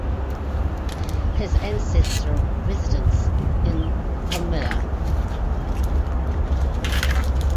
His ancestral residence in Comilla.